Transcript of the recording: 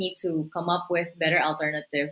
kita juga memiliki alternatif